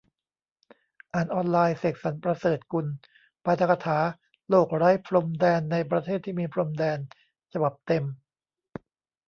อ่านออนไลน์ เสกสรรค์ ประเสริฐกุล ปาฐกถา "โลกไร้พรมแดนในประเทศที่มีพรมแดน" ฉบับเต็ม